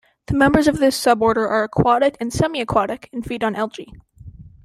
The members of this suborder are aquatic and semiaquatic, and feed on algae.